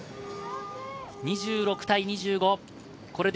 ２６対２５。